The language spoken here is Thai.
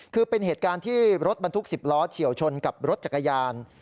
คือเป็นเหตุการณ์ที่รถบรรทุก๑๐ล้อเฉียวชนกับรถจักรยาน